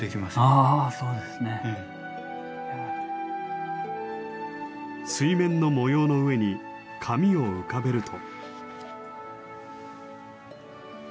あそうですね。水面の模様の上に紙を浮かべると。